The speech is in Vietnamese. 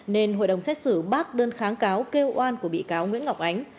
nên hội đồng xét xử bác đơn kháng cáo kêu oan của bị cáo nguyễn ngọc ánh